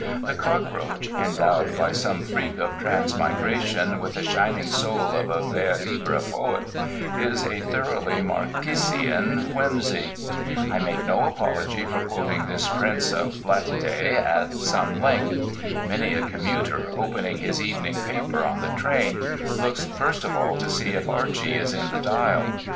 The cockroach, endowed by some freak of transmigration with the shining soul of a vers libre poet, is a thoroughly Marquisian whimsy. I make no apology for quoting this prince of blattidae at some length. Many a commuter, opening his evening paper on the train, looks first of all to see if Archy is in the Dial.